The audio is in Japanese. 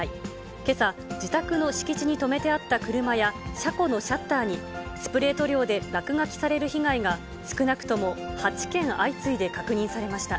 けさ、自宅の敷地に止めてあった車や車庫のシャッターに、スプレー塗料で落書きされる被害が、少なくとも８件相次いで確認されました。